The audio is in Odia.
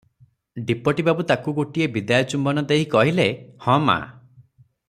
ଡିପୋଟୀ ବାବୁ ତାକୁ ଗୋଟିଏ ବିଦାୟ ଚୁମ୍ବନ ଦେଇ କହିଲେ, "ହଁମା!